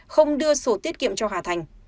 không đưa sổ tiết kiệm cho hà thành